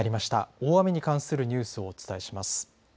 大雨に関するニュースをお伝えします。